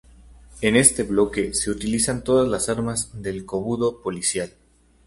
En este bloque se utilizan todas las armas del Kobudo policial.